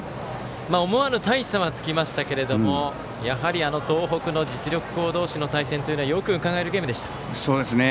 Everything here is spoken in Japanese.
思わぬ大差はつきましたけれどもやはり東北の実力校同士の対戦ということがよくうかがえるゲームでした。